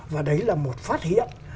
và đấy là một phát hiện